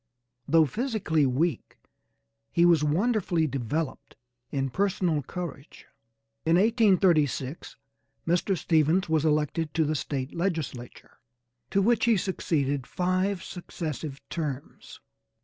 Though physically weak he was wonderfully developed in personal courage. In 1836 Mr. Stephens was elected to the State legislature, to which he succeeded five successive terms.